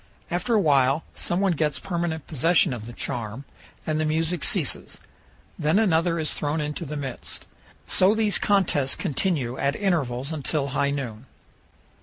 After a while some one gets permanent possession of the charm and the music ceases. Then another is thrown into the midst. So these contests continue at intervals until high noon.